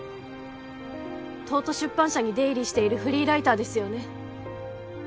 東都出版社に出入りしているフリーライターですよね？